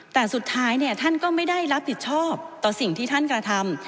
แต่สุดท้ายท่านก็ไม่ได้รับผิดชอบต่อสิ่งที่ท่านกระทำ